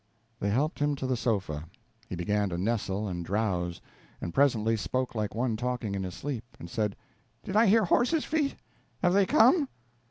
They helped him to the sofa. He began to nestle and drowse, but presently spoke like one talking in his sleep, and said: "Did I hear horses' feet? Have they come?"